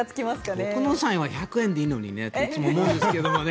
僕のサインは１００円でいいのにっていつも思うんですけどね。